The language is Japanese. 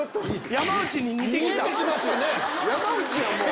山内やんもう。